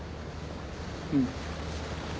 うん。